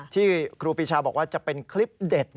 ครูปีชาบอกว่าจะเป็นคลิปเด็ด